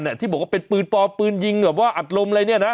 ที่บอกว่าเป็นปืนปลอมปืนยิงแบบว่าอัดลมอะไรเนี่ยนะ